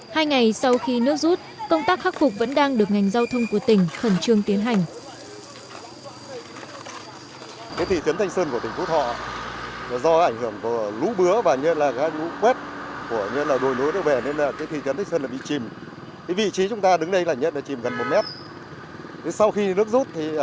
hai ngày sau khi nước rút công tác khắc phục vẫn đang được ngành giao thông của tỉnh khẩn trương tiến hành